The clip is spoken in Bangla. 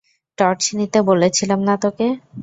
টর্চ নিতে বলেছিলাম না তোকে?